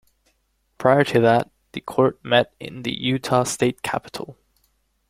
Prior to that, the court met in the Utah State Capitol.